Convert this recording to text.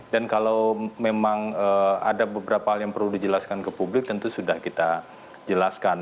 dan kalau memang ada beberapa hal yang perlu dijelaskan ke publik tentu sudah kita jelaskan